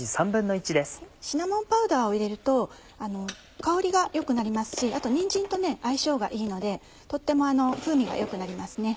シナモンパウダーを入れると香りが良くなりますしあとにんじんと相性がいいのでとっても風味が良くなりますね。